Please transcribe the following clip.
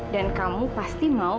dan kamu pasti mau